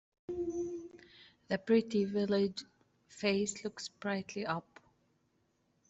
The pretty village face looks brightly up.